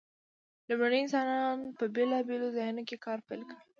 لومړنیو انسانانو په بیلابیلو ځایونو کې کار پیل کړ.